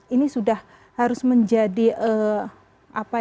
ini sudah harus menjadi apa ya